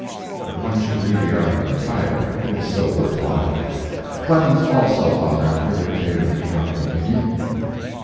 But one should read the article entire it is so worth while. Clemens also, long after, dictated an account of the meeting.